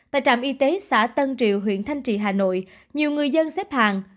tại trạm y tế xã tân triệu huyện thanh trì hà nội nhiều người dân xếp hàng